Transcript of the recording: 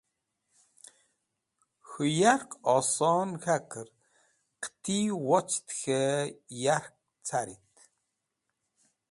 K̃hũ yark oson k̃hakẽr qẽti wocit k̃hẽ yark carit